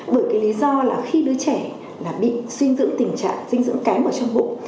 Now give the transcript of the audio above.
vì lý do là khi đứa trẻ là bị sinh dưỡng tình trạng dinh dưỡng kém vào trong bụng